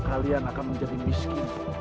kalian akan menjadi miskin